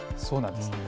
そうなんです。